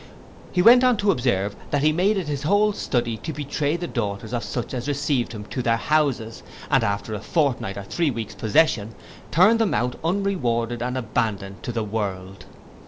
He went on to observe, that he made it his whole study to betray the daughters of such as received him to their houses, and after a fortnight or three weeks possession, turned them out unrewarded and abandoned to the world.